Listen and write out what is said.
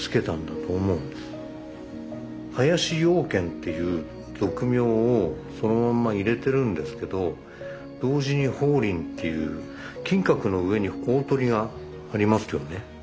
「林養賢」という俗名をそのまんま入れてるんですけど同時に「鳳林」っていう金閣の上におおとりがありますよね。